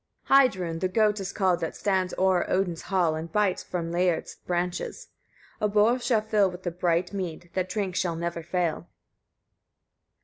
25. Heidrûn the goat is called, that stands o'er Odin's hall, and bites from Lærâd's branches. He a bowl shall fill with the bright mead; that drink shall never fail.